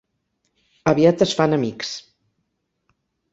Aviat es fan amics.